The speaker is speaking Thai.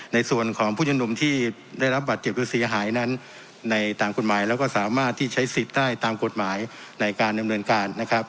ในส่วนของผู้ชมนุมที่ได้รับบัตรเจ็บหรือเสียหายนั้นในตามกฎหมายแล้วก็สามารถที่ใช้สิทธิ์ได้ตามกฎหมายในการดำเนินการนะครับ